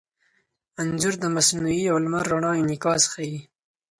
انځور د مصنوعي او لمر رڼا انعکاس ښيي.